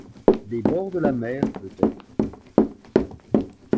Des bords de la mer peut-être.